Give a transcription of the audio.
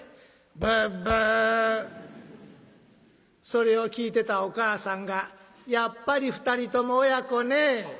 それを聞いてたお母さんが「やっぱり２人とも親子ね」。